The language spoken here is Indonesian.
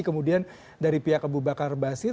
kemudian dari pihak abu bakar basir